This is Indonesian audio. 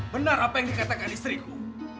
benar apa yang dikatakan istriku